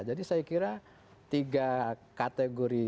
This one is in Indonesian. jadi saya kira tiga kategori